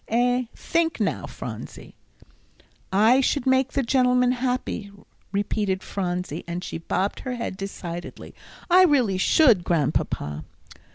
"Eh? think now, Phronsie." "I should make the gentleman happy," repeated Phronsie, and she bobbed her head decidedly. "I really should, Grandpapa."